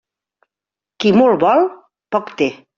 Qui molt vol, poc té.